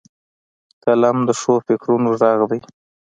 قلم د ښو فکرونو غږ دی